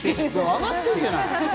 上がってるじゃない！